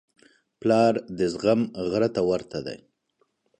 پلار د زغم غره ته ورته دی.